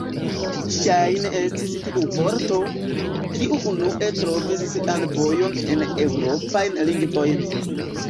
Ŝajne estis tiu vorto, kiu unue trovis sian vojon en eŭropajn lingvojn.